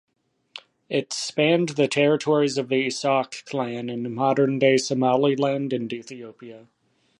It spanned the territories of the Isaaq clan in modern day Somaliland and Ethiopia.